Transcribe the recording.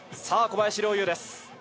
さあ、小林陵侑です。